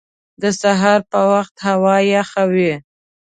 د سهار په وخت هوا یخه وي